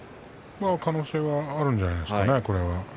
可能性はあるんじゃないですかね、これは。